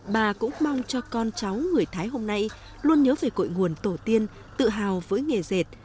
bà cũng mong cho con cháu người thái hôm nay luôn nhớ về cội nguồn tổ tiên tự hào với nghề dệt